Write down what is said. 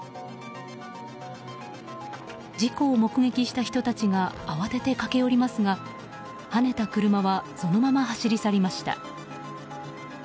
事故を目撃した人たちが慌てて駆け寄りますがはねた車はそのまま走り去りました。